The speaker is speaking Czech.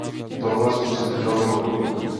Tohle spotřebitel nepochopí.